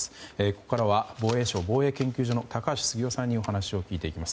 ここからは防衛省防衛研究所の高橋杉雄さんに話を聞いていきます。